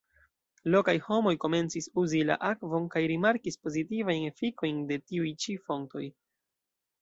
Lokaj homoj komencis uzi la akvon kaj rimarkis pozitivajn efikojn de tiuj ĉi fontoj.